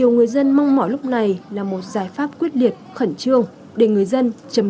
người dân mong mỏi lúc này là một giải pháp quyết liệt khẩn trương để người dân chấm dứt cảnh ngập lột